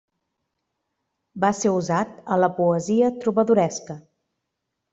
Va ser usat a la poesia trobadoresca.